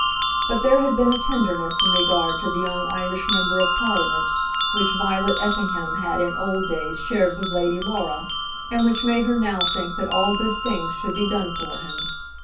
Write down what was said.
But there had been a tenderness in regard to the young Irish Member of Parliament, which Violet Effingham had in old days shared with Lady Laura, and which made her now think that all good things should be done for him.